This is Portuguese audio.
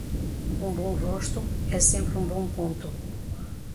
Um bom rosto, é sempre um bom ponto.